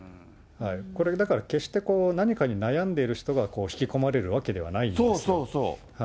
だから、決して何かに悩んでいる人が引き込まれるわけではないんですよ。